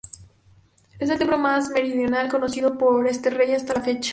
Es el templo más meridional conocido por este rey hasta la fecha.